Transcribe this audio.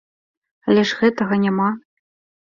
Але ж гэтага няма.